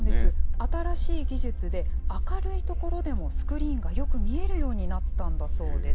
新しい技術で、明るい所でもスクリーンがよく見えるようになったんだそうです。